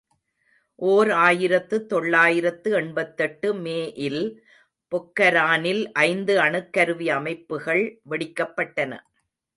ஓர் ஆயிரத்து தொள்ளாயிரத்து எண்பத்தெட்டு மே இல் பொக்கரானில் ஐந்து அணுக்கருவி அமைப்புகள் வெடிக்கப்பட்டன.